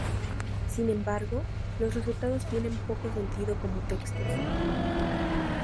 Sin embargo, los resultados tienen poco sentido como textos.